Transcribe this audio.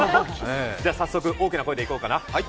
じゃあ、早速大きな声でいこうかな。